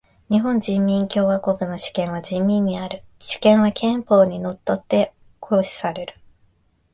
日本人民共和国の主権は人民にある。主権は憲法に則って行使される。